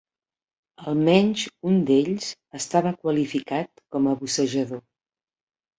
Almenys un d'ells estava qualificat com a bussejador.